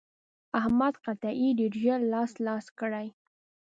احمد قطعې ډېر ژر لاس لاس کړې.